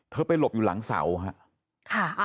เธอไปหลบอยู่หลังเสาครับ